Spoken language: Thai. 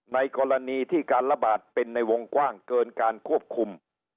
ในกรณีที่การระบาดเป็นในวงกว้างเกินการควบคุม